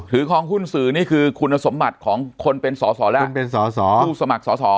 คลองหุ้นสื่อนี่คือคุณสมบัติของคนเป็นสอสอแล้วผู้สมัครสอสอ